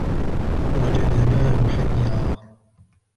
وجدناه حيا.